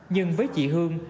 nhưng với chị hương